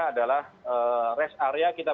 adalah rest area kita